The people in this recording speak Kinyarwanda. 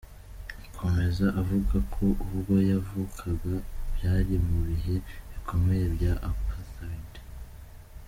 Akomeza avuga ko, ubwo yavukaga, byari mu bihe bikomeye bya Apartheid.